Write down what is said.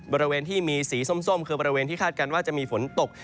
บริเวณที่มีสีส้มคือบริเวณที่คาดการณ์ว่าจะมีฝนตก